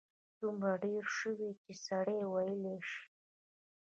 دومره ډېر شوي چې سړی ویلای شي.